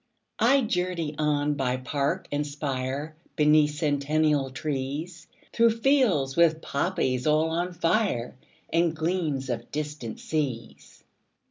20 I journey on by park and spire, Beneath centennial trees, Through fields with poppies all on fire, And gleams of distant seas.